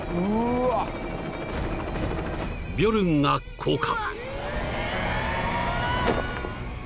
［ビョルンが降下］